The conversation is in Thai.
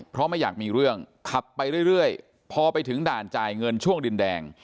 เพราะไม่อยากมีเรื่องขับไปเรื่อยพอไปถึงด่านจ่ายเงินช่วงดินแดง